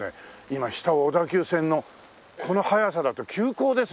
今下を小田急線のこの速さだと急行ですね。